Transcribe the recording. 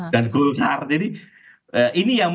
dan gulnar jadi ini yang